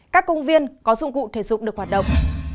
các công viên có dụng cụ thể dục được hoạt động